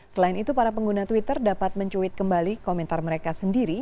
selain itu para pengguna twitter dapat mencuit kembali komentar mereka sendiri